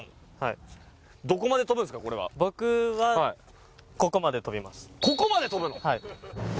僕はここまで跳びます。